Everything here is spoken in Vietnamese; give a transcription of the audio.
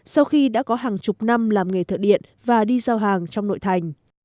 sau khi đã có hàng chục năm làm nghề thợ điện và đi giao hàng trong nội thành